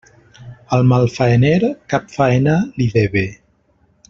Al malfaener, cap faena li ve bé.